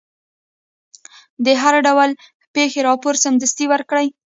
د هر ډول پېښې راپور سمدستي ورکړئ.